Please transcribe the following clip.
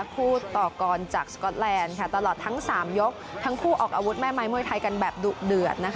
คู่ต่อกรจากสก๊อตแลนด์ตลอดทั้ง๓ยกทั้งคู่ออกอาวุธแม่ไม้มวยไทยกันแบบดุเดือด